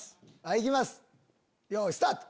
行きますよいスタート！